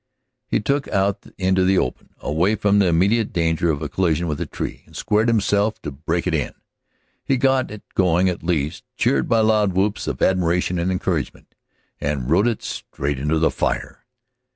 He took it out into the open, away from the immediate danger of a collision with a tree, and squared himself to break it in. He got it going at last, cheered by loud whoops of admiration and encouragement, and rode it straight into the fire.